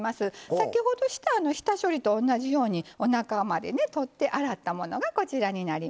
先ほどした下処理と同じようにおなかまで取って洗ったものがこちらになります。